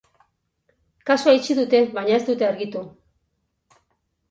Kasua itxi dute, baina ez dute argitu.